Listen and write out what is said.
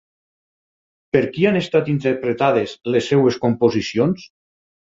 Per qui han estat interpretades les seves composicions?